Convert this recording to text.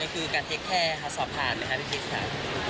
ก็คือการเท็กแค่สอบภัณฑ์เลยค่ะพี่พีชสาติ